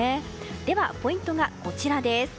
ではポイントがこちら。